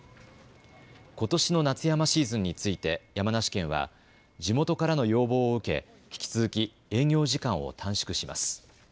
ことしの夏山シーズンについて山梨県は地元からの要望を受け引き続き営業時間を短縮します。